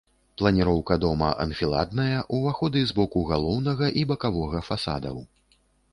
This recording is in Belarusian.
Планіроўка дома анфіладная, уваходы з боку галоўнага і бакавога фасадаў.